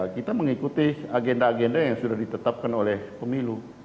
kita mengikuti agenda agenda yang sudah ditetapkan oleh pemilu